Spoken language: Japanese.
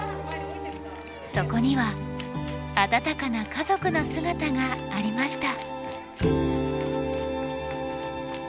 そこには温かな家族の姿がありました。